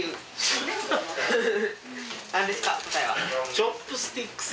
チョップスティックス。